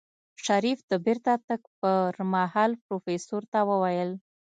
شريف د بېرته تګ پر مهال پروفيسر ته وويل.